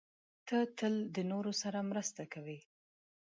ته تل د نورو سره مرسته کوې.